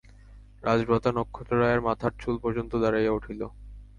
রাজভ্রাতা নক্ষত্ররায়ের মাথার চুল পর্যন্ত দাঁড়াইয়া উঠিল।